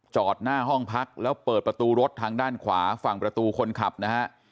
จอดหน้าห้องพักแล้วเปิดประตูรถทางด้านขวาฝั่งประตูคนขับนะฮะ